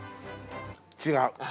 違う。